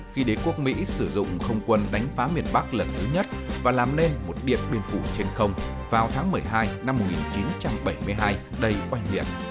khi đế quốc mỹ sử dụng không quân đánh phá miền bắc lần thứ nhất và làm nên một điện biên phủ trên không vào tháng một mươi hai năm một nghìn chín trăm bảy mươi hai đầy oanh liệt